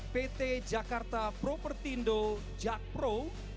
pt jakarta propertindo jak pro